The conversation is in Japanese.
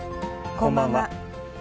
こんばんは。